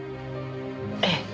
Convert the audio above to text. ええ。